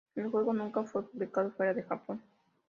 El juego nunca fue publicado fuera de Japón.